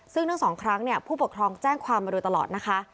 ซึ่งทั้ง๒ครั้งเนี่ยผู้ปกครองแจ้งความมาดูตลอดนะคะ